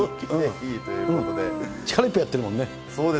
力いっぱいやってるもんね。